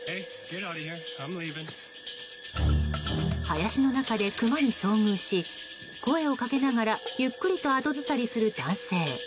林の中でクマに遭遇し声をかけながらゆっくりと後ずさりする男性。